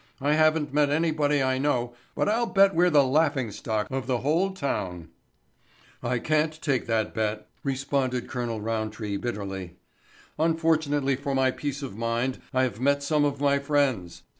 "I haven't met anybody I know, but I'll bet we're the laughing stock of the whole town." "I can't take that bet," responded Col. Roundtree bitterly. "Unfortunately for my peace of mind I have met some of my friends.